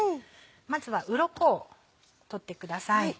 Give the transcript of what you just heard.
まずはウロコを取ってください。